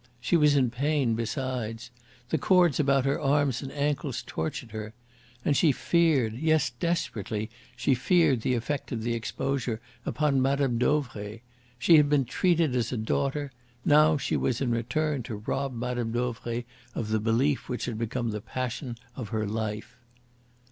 She was in pain besides. The cords about her arms and ankles tortured her. And she feared yes, desperately she feared the effect of the exposure upon Mme. Dauvray. She had been treated as a daughter; now she was in return to rob Mme. Dauvray of the belief which had become the passion of her life.